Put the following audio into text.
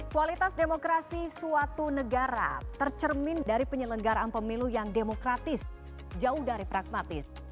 kualitas demokrasi suatu negara tercermin dari penyelenggaraan pemilu yang demokratis jauh dari pragmatis